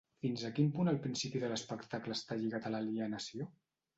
Fins a quin punt el principi de l'espectacle està lligat a l'alienació?